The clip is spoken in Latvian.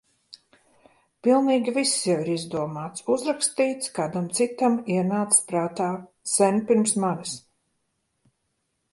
Pilnīgi viss jau ir izdomāts, uzrakstīts, kādam citam ienācis prātā sen pirms manis.